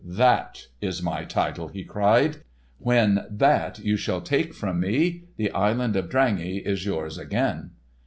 "That is my title," he cried. "When that you shall take from me, the Island of Drangey is yours again."